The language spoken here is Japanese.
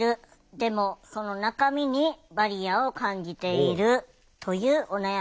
でもその中身にバリアを感じているというお悩みについてです。